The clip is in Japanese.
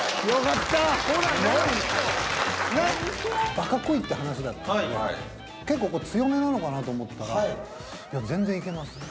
バカ濃いぃって話だったんで結構強めなのかなと思ったらいや全然いけますね。